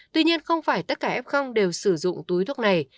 tuy nhiên không phải tất cả f đều sử dụng túi thuốc này